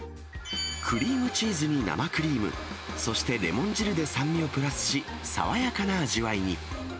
クリームチーズに生クリーム、そして、レモン汁で酸味をプラスし、爽やかな味わいに。